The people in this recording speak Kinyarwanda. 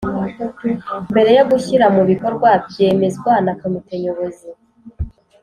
mbere yo gushyira mu bikorwa byemezwa na Komite Nyobozi.